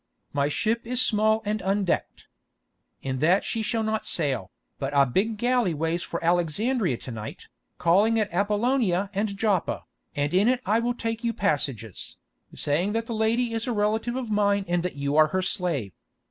My ship is small and undecked. In that she shall not sail, but a big galley weighs for Alexandria to night, calling at Apollonia and Joppa, and in it I will take you passages, saying that the lady is a relative of mine and that you are her slave.